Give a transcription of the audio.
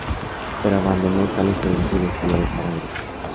Pero abandonó tal experiencia y decidió viajar a Europa.